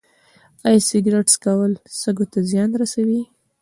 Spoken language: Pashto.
ایا سګرټ څکول سږو ته زیان رسوي